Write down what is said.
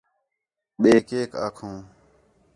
ٻئے کیک آکھوں